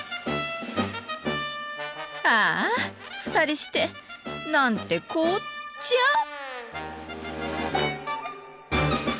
ああ２人してなんてこっチャ！